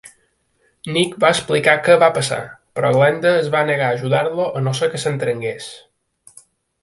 Nick va explicar què va passar, però Glenda es va negar a ajudar-lo a no ser que s'entregués.